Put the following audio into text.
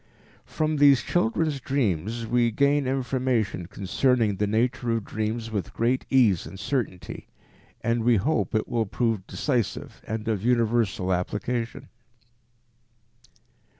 From these children's dreams we gain information concerning the nature of dreams with great ease and certainty, and we hope it will prove decisive and of universal application.